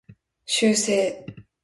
修正